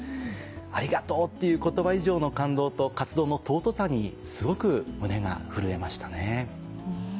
「ありがとう」っていう言葉以上の感動と活動の尊さにすごく胸が震えましたね。